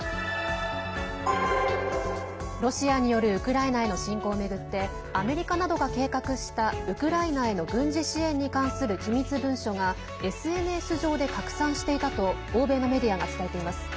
ロシアによるウクライナへの侵攻を巡ってアメリカなどが計画したウクライナへの軍事支援に関する機密文書がＳＮＳ上で拡散していたと欧米のメディアが伝えています。